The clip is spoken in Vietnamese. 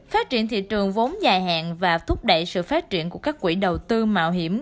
phát triển thị trường vốn dài hạn và thúc đẩy sự phát triển của các quỹ đầu tư mạo hiểm